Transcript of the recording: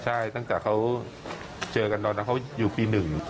ใช่ตั้งแต่เขาเจอกันตอนที่เขาอยู่ปีหนึ่ง